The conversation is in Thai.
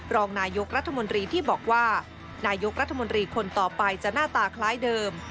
รองนายกรัฐมนตรีที่บอกว่านายกรัฐมนตรีคนต่อไปจะหน้าตาคล้ายเดิม